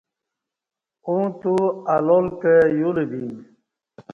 اوں تو الال کہ یولہ بیم